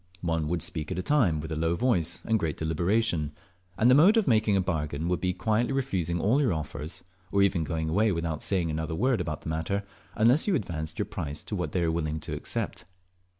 One would speak at a time, with a low voice and great deliberation, and the mode of making a bargain would be by quietly refusing all your offers, or even going away without saying another word about the matter, unless advanced your price to what they were willing to accept.